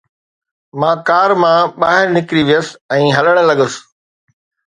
مان ڪار مان ٻاهر نڪري ويس ۽ هلڻ لڳس.